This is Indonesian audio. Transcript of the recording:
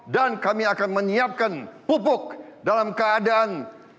dan kami akan menyiapkan pupuk dalam keadaan